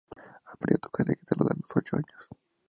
Aprendió a tocar la guitarra a los ocho años.